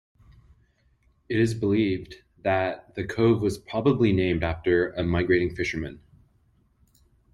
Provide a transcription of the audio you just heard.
It is believed that the cove was probably named after a migrating fisherman.